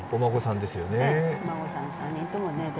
お孫さん３人とも。